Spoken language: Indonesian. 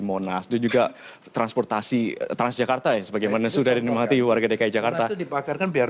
monas juga transportasi transjakarta ya sebagaimana sudah dinamati warga dki jakarta dipakarkan biar